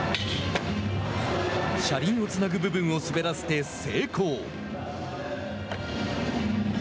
車輪をつなぐ部分を滑らせて成功。